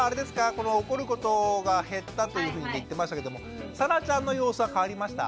この怒ることが減ったというふうに言ってましたけどもさなちゃんの様子は変わりました？